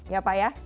ya pak ya